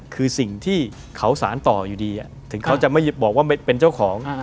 คือสิ่งที่เขาสารต่ออยู่ดีถึงเขาจะไม่บอกว่าเป็นเจ้าของ